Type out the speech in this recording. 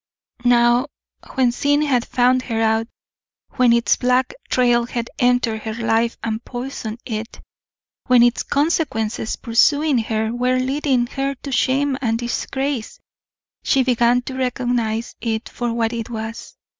Now, when sin had found her out, when its black trail had entered her life and poisoned it when its consequences, pursuing her, were leading her to shame and disgrace, she began to recognize it for what it was.